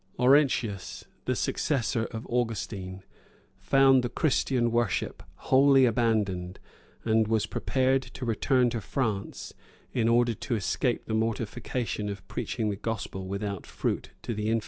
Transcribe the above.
Laurentius, the successor of Augustine found the Christian worship wholly abandoned, and was prepared to return to France, in order to escape the mortification of preaching the gospel without fruit to the infidels.